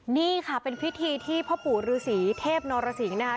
นี่ค่ะเป็นพิธีที่พ่อปู่ฤาษีเทพนรสิงค์กำลังอาบน้ำมนต์